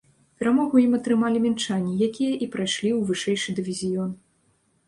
Перамогу ў ім атрымалі мінчане, якія і прайшлі ў вышэйшы дывізіён.